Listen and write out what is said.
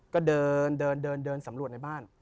ก็เดินสำรวจในบ้าน